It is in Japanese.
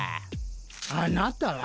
あなたは？